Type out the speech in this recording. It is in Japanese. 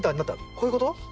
こういうこと？